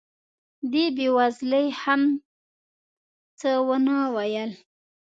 دې بې وزلې هم څه ونه ویل.